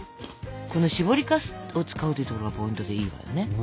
このしぼりかすを使うというところがポイントでいいわよね。